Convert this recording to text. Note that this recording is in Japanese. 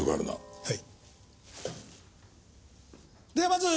はい！